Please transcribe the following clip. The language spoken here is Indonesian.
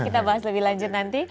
kita bahas lebih lanjut nanti